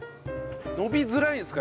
延びづらいですか？